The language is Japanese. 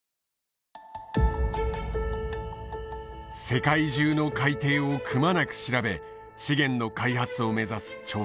世界中の海底をくまなく調べ資源の開発を目指す調査船。